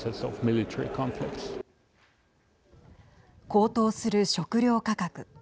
高騰する食料価格。